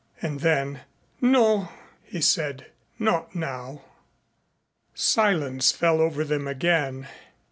And then, "No," he said, "not now." Silence fell over them again.